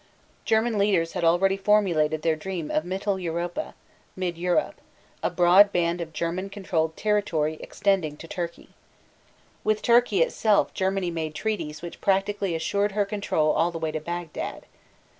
German leaders had already formulated their dream of Mittel Europa (Mid Europe), a broad band of German controlled territory extending to Turkey. With Turkey itself Germany made treaties which practically assured her control all the way to Bagdad.